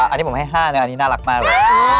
อันนี้ผมให้๕อันนี้น่ารักมากเลย